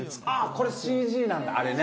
これＣＧなんだあれね！